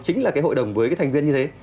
chính là cái hội đồng với cái thành viên như thế